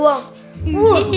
orang masih kudil tenang